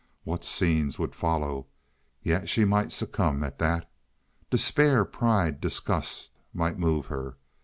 What scenes would follow! Yet she might succumb, at that. Despair, pride, disgust might move her.